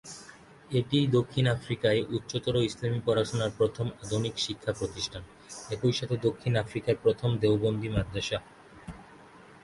এটিই দক্ষিণ আফ্রিকায় উচ্চতর ইসলামি পড়াশোনার প্রথম আনুষ্ঠানিক শিক্ষা প্রতিষ্ঠান, একইসাথে দক্ষিণ আফ্রিকার প্রথম দেওবন্দি মাদ্রাসা।